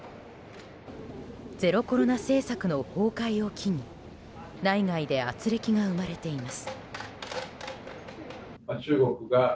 ゼロコロナ政策の崩壊を機に内外で軋轢が生まれています。